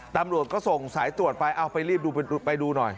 ตำรวจก็ส่งสายตรวจไปเอาไปรีบดูไปดูหน่อย